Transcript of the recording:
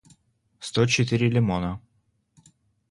сто четыре лимона